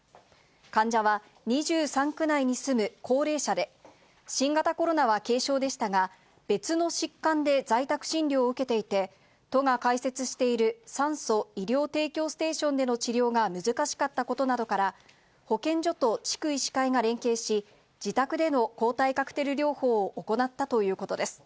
患者は２３区内に住む高齢者で、新型コロナは軽症でしたが、別の疾患で在宅診療を受けていて、都が開設している酸素・医療提供ステーションでの治療が難しかったことなどから、保健所と地区医師会が連携し、自宅での抗体カクテル療法を行ったということです。